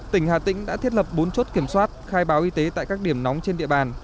tỉnh hà tĩnh đã thiết lập bốn chốt kiểm soát khai báo y tế tại các điểm nóng trên địa bàn